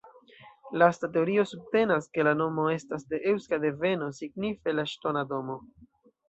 Lasta teorio subtenas ke la nomo estas de eŭska deveno, signife "la ŝtona domo".